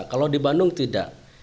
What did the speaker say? kalau di bandung tidak